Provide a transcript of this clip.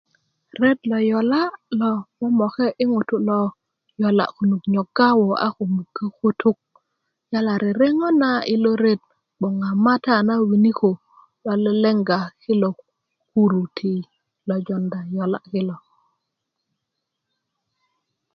ret lo yola momoke i ŋutu lo yola konu nyoga wo a ko mugö kutuk yala rerenŋö na i lo re bgoŋ a mata na winiko lo lelenga kilo kuru ti lo jonda yola kilo